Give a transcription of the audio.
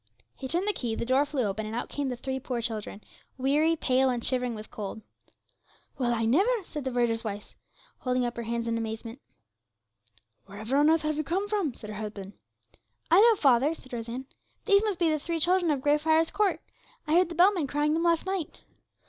He turned the key, the door flew open, and out came the three poor children, weary, pale, and shivering with cold. 'Well, I never!' said the verger's wife, holding up her hands in amazement. 'Wherever on earth have you come from?' said her husband. 'I know, father,' said Rose Ann; 'these must be the three children of Grey Friars Court. I heard the bellman crying them last night.'